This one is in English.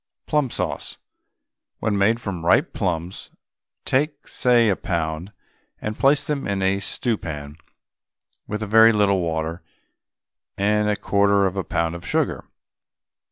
PLUM SAUCE. When made from ripe plums, take, say, a pound, and place them in a stew pan with a very little water and a quarter of a pound of sugar.